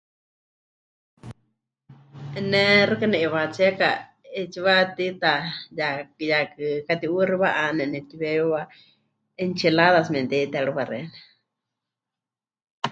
"Ne xɨka ne'iwaatsíeka 'eetsiwa tiita ya... yaakɨ. mɨkati'uxiwa'ane nepɨtiweewiwa, ""enchiladas"" memɨte'itérɨwa xeeníu."